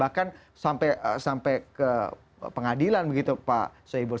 bahkan sampai ke pengadilan begitu pak soebul